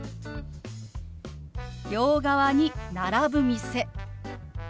「両側に並ぶ店」。